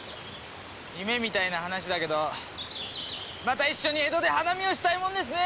夢みたいな話だけどまた一緒に江戸で花見をしたいもんですねえ！